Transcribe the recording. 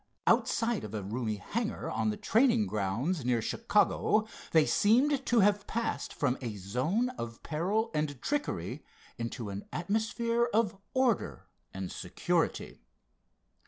Outside of a roomy hangar on the training grounds near Chicago, they seemed to have passed from a zone of peril and trickery into an atmosphere of order and security.